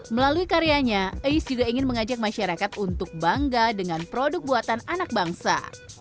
melalui karyanya ais juga ingin mengajak masyarakat untuk bangga dengan produk buatan anak bangsa